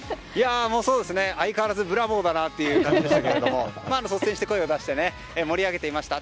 相変わらずブラボーだなという感じですけども率先して声を出して盛り上げていました。